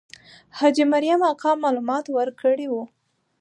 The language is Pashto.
حاجي مریم اکا معلومات ورکړي وو.